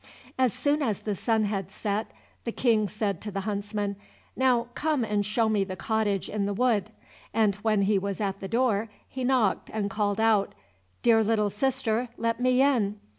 As soon as the sun had set, the King said to the huntsman, "Now come and show me the cottage in the wood;" and when he was at the door, he knocked and called out, "Dear little sister, let me in."